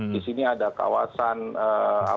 di sini ada kawasan apa